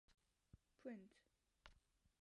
Print